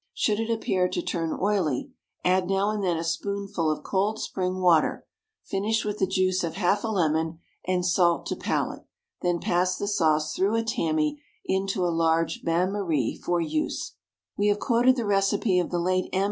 Should it appear to turn oily, add now and then a spoonful of cold spring water; finish with the juice of half a lemon, and salt to palate; then pass the sauce through a tammy into a large bain marie for use." We have quoted the recipe of the late M.